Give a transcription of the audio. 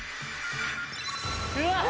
うわっ！